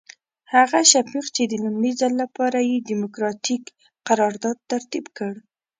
هغه شفیق چې د لومړي ځل لپاره یې ډیموکراتیک قرارداد ترتیب کړ.